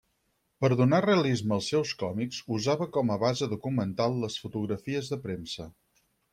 Per donar realisme als seus còmics, usava com a base documental las fotografies de premsa.